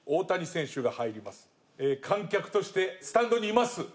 観客としてスタンドにいます。